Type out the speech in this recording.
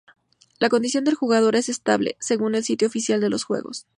La condición del jugador es estable según el sitio oficial de los juegos.